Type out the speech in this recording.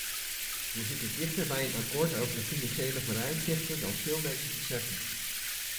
We zitten dichter bij een akkoord over de financiële vooruitzichten dan veel mensen beseffen.